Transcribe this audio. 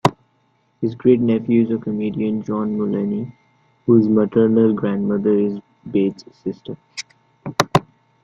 His great-nephew is comedian John Mulaney, whose maternal grandmother is Bates' sister.